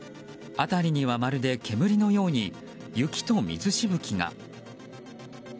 辺りには、まるで煙のように雪と水しぶきが。